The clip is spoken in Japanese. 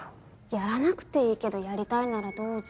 やらなくていいけどやりたいならどうぞ。